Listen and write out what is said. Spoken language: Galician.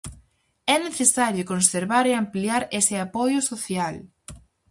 É necesario conservar e ampliar ese apoio social.